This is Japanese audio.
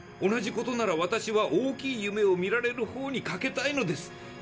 同じことなら私は大きい夢を見られるほうにかけたいのです。